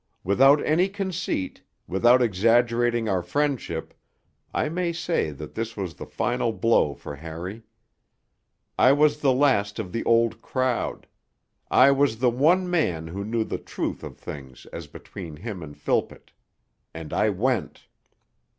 Without any conceit, without exaggerating our friendship, I may say that this was the final blow for Harry. I was the last of the Old Crowd; I was the one man who knew the truth of things as between him and Philpott.... And I went.